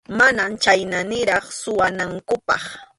Mana chhayna niraq suwanankupaq.